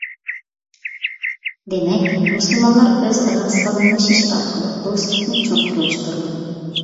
دېمەك، مۇسۇلمانلار ئۆز ئارا سالاملىشىش ئارقىلىق، دوستلۇقنى چوڭقۇرلاشتۇرىدۇ.